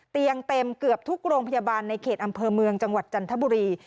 เตียงเต็มเกือบทุกโรงพยาบาลในเขตอำเภอเมืองจังหวัดจันทบุรี